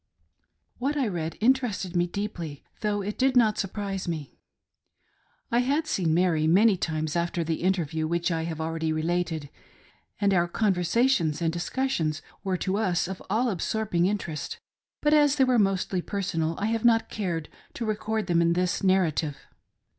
What I read interested me deeply, though it did not surprise me. I had seen Mary many times after the interview which I have already related, and our conversations and discussions were to us of all absorbing interest ; but as they were mostly personal, I have not cared to record them in this narrative.